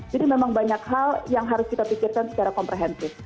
memang banyak hal yang harus kita pikirkan secara komprehensif